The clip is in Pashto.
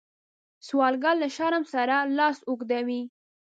سوالګر له شرم سره لاس اوږدوي